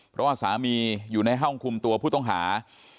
เพราะว่าสามีอยู่ในห้องคุมตัวผู้ต้องหา